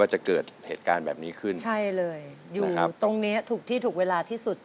จะเกิดเหตุการณ์แบบนี้ขึ้นใช่เลยอยู่ตรงเนี้ยถูกที่ถูกเวลาที่สุด